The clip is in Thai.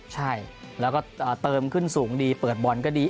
ใช่แล้วก็เติมขึ้นสูงดีเปิดบอลก็ดี